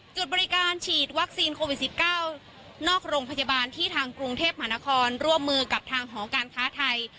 จุดบริการฉีดวัคซีนโควิด๑๙นอกโรงพยาบาลที่ทางกรุงเทพมหานครร่วมมือกับทางหอการค้าไทย